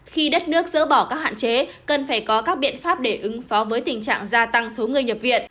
khi đất nước dỡ bỏ các hạn chế cần phải có các biện pháp để ứng phó với tình trạng gia tăng số người nhập viện